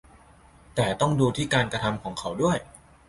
แต่ต้องดูที่การกระทำของเขาด้วย